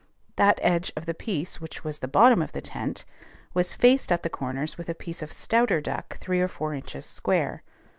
That edge of the piece which was the bottom of the tent was faced at the corners with a piece of stouter duck three or four inches square.